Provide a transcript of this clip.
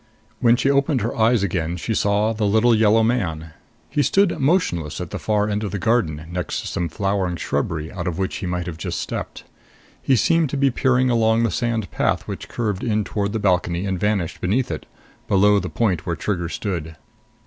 When she opened her eyes again, she saw the little yellow man. He stood motionless at the far end of the garden, next to some flowering shrubbery out of which he might have just stepped. He seemed to be peering along the sand path which curved in toward the balcony and vanished beneath it, below the point where Trigger stood.